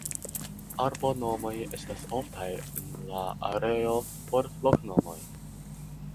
Arbonomoj estas oftaj en la areo por loknomoj.